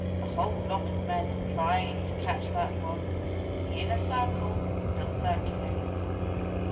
A whole lot of men have tried to catch that one. But the Inner Circle still circulates."